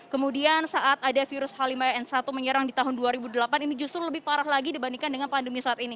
kemudian saat ada virus h lima n satu menyerang di tahun dua ribu delapan ini justru lebih parah lagi dibandingkan dengan pandemi saat ini